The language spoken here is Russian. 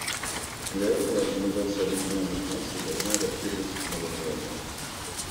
Для этого Организация Объединенных Наций должна адаптироваться к новым реалиям.